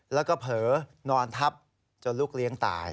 แล้วก็เผลอนอนทับจนลูกเลี้ยงตาย